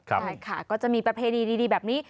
ใช่ค่ะก็จะมีประเพณีดีแบบนี้